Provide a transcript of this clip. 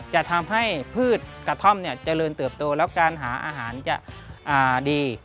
จะทำให้พืชกระท่อมเจริญเติบโตแล้วการหาอาหารจะดี